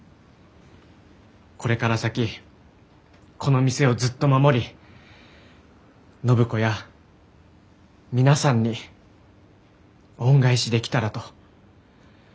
これから先この店をずっと守り暢子や皆さんに恩返しできたらと。